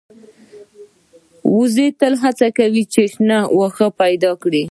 وزې تل هڅه کوي چې شنه واښه پیدا کړي